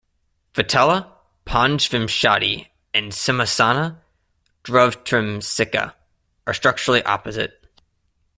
"Vetala Panchvimshati" and "Simhasana Dvatrimsika" are structurally opposite.